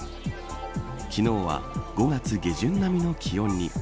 昨日は、５月下旬並みの気温に。